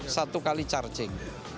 satu kali charging